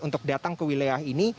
untuk datang ke wilayah ini